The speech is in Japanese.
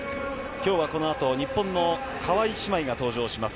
きょうはこのあと、日本の川井姉妹が登場します。